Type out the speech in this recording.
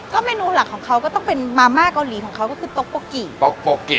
เมนูหลักของเขาก็ต้องเป็นมาม่าเกาหลีของเขาก็คือตกโกกิโต๊ะโปกิ